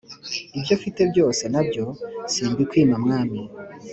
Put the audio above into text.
Ibyo mfite byose nabyo simbikwima mwami